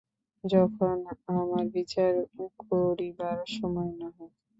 এখন আমার বিচার করিবার সময় নহে।